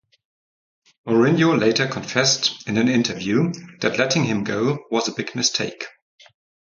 Mourinho later confessed in an interview that letting him go was a big mistake.